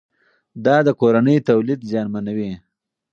دا د کورني تولید زیانمنوي.